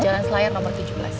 jalan selayar nomor tujuh belas